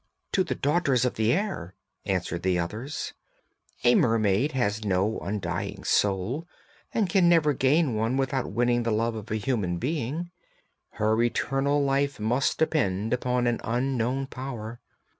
'To the daughters of the air!' answered the others; 'a mermaid has no undying soul, and can never gain one without winning the love of a human being. Her eternal life must depend upon an unknown power.